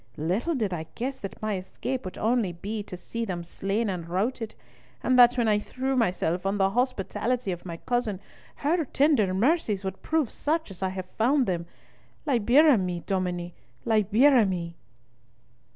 Little did I guess that my escape would only be to see them slain and routed, and that when I threw myself on the hospitality of my cousin, her tender mercies would prove such as I have found them. 'Libera me, Dominie, libera me.'"